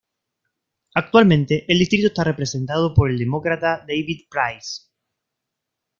Actualmente el distrito está representado por el Demócrata David Price.